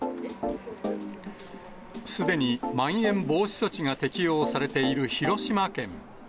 すでにまん延防止措置が適用されている広島県。